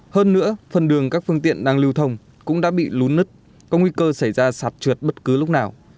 hơn nữa phần đường các phương tiện đang lưu thông cũng đã bị lún nứt có nguy cơ xảy ra sạt trượt bất cứ lúc nào